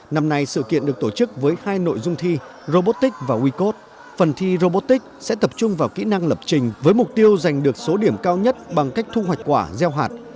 năm nay sự kiện được tổ chức với hai nội dung thi robotics và wecode phần thi robotics sẽ tập trung vào kỹ năng lập trình với mục tiêu giành được số điểm cao nhất bằng cách thu hoạch quả gieo hạt